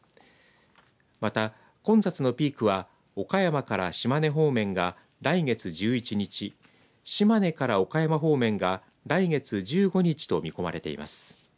また混雑のピークは岡山から島根方面が来月１１日島根から岡山方面が来月１５日と見込まれています。